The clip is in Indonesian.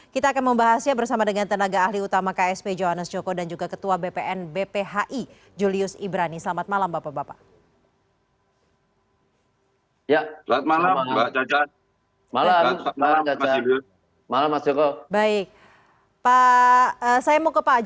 kita akan membahasnya bersama dengan tenaga ahli utama ksp johannes joko dan juga ketua bpn bphi julius ibrani selamat malam bapak bapak